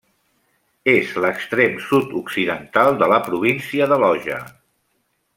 És l'extrem sud-occidental de la província de Loja.